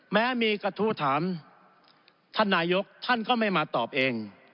แม้มีกระทู้ถามท่านนายกท่านก็ไม่มาตอบเอง